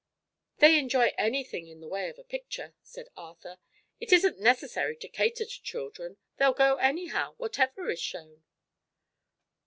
"They enjoy anything in the way of a picture," said Arthur. "It isn't necessary to cater to children; they'll go anyhow, whatever is shown."